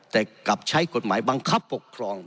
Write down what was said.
แต่กลับใช้กฎหมายบังคับปกครอง